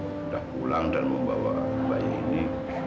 udah pulang dan mau bawa bayi ini